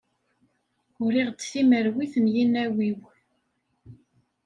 Uriɣ-d timerwit n yinaw-iw.